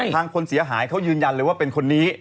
คนเสียหายเขายืนยันเลยว่าเป็นคนนี้